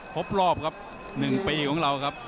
ครบรอบครับ๑ปีของเราครับ